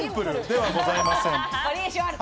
ではございません。